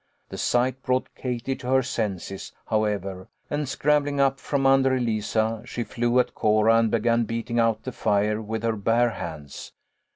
The sight brought Katie to her senses, however, and scrambling up from under Eliza, she flew at Cora and began beating out the fire with her bare hands.